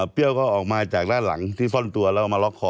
ก็ออกมาจากด้านหลังที่ซ่อนตัวแล้วมาล็อกคอ